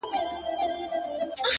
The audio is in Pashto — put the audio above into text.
او خبرو باندي سر سو،